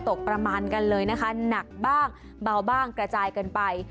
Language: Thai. ตกประมาณกันเลยนะคะหนักบ้างเบาบ้างกระจายกันไป